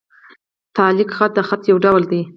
تعلیق خط؛ د خط یو ډول دﺉ.